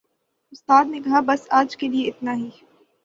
اُستاد نے کہا، "بس آج کے لئے اِتنا ہی"